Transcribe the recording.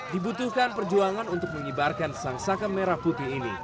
dibutuhkan perjuangan untuk menyebarkan sang saka merah putih ini